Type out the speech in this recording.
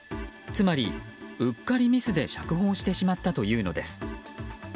つまり、うっかりミスで釈放してしまったというのです。